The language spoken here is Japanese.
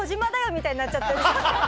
みたいになっちゃったし今。